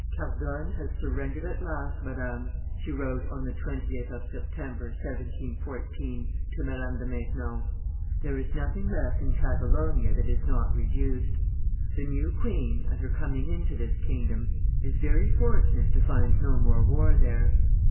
"Cardonne has surrendered at last, Madame," she wrote on the 20th of September, 1714, to Madame de Maintenon; "there is nothing left in Catalonia that is not reduced. The new queen, at her coming into this kingdom, is very fortunate to find no more war there.